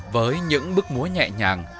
với những bước múa nhẹ nhàng